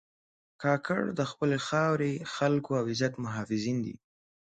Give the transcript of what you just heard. کاکړ د خپلې خاورې، خلکو او عزت محافظین دي.